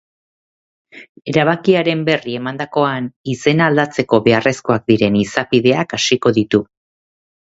Erabakiaren berri emandakoan, izena aldatzeko beharrezkoak diren izapideak hasiko ditu.